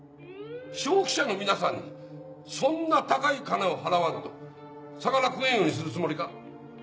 消費者の皆さんにそんな高い金を払わんと魚食えんようにするつもりか？